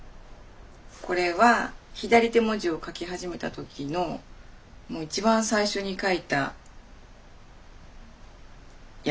これは左手文字を書き始めたときのもういちばん最初に書いたやつです。